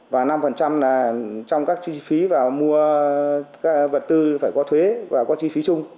và năm là trong các chi phí và mua vật tư phải có thuế và có chi phí chung